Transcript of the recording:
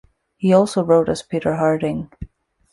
He also wrote as Peter Harding.